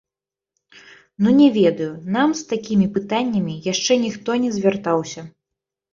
Ну не ведаю, нам з такімі пытаннямі яшчэ ніхто не звяртаўся.